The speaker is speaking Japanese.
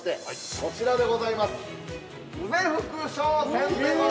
こちらでございます。